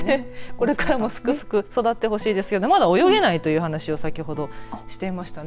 これからもすくすく育ってほしいですけどまだ泳げないという話を先ほどしていましたね。